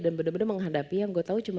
dan bener bener menghadapi yang gue tau